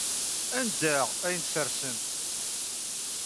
Anda ay tent-tessersemt?